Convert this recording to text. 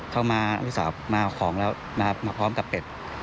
มาลูกสาวมาเอาของแล้วมาพร้อมกับเป็ด